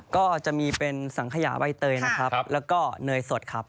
ก็จะมีเป็นสังขยาใบเตยนะครับแล้วก็เนยสดครับ